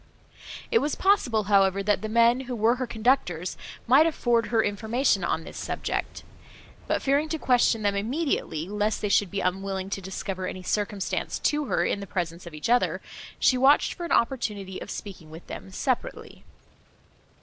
It was possible, however, that the men, who were her conductors, might afford her information, on this subject; but, fearing to question them immediately, lest they should be unwilling to discover any circumstance to her in the presence of each other, she watched for an opportunity of speaking with them separately.